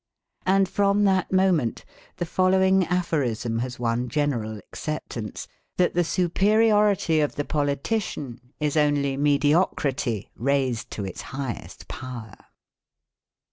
And from that moment the following aphorism has won general acceptance, that the superiority of the politician is only mediocrity raised to its highest power.